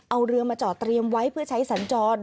เอาเรือมาจอดเตรียมไว้เพื่อใช้สัญจร